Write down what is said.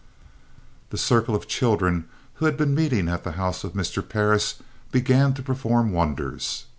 The circle of children who had been meeting at the house of Mr. Parris began to perform wonders.